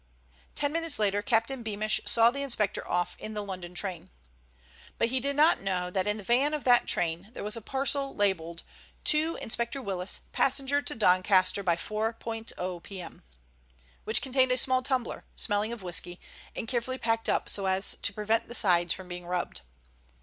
Ten minutes later Captain Beamish saw the inspector off in the London train. But he did not know that in the van of that train there was a parcel, labelled to "Inspector Willis, passenger to Doncaster by 4.0 p.m.," which contained a small tumbler, smelling of whisky, and carefully packed up so as to prevent the sides from being rubbed.